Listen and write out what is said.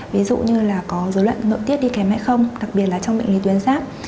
ví dụ như là có dấu loạn mượn tiết đi kém hay không đặc biệt là trong bệnh lý tuyến giáp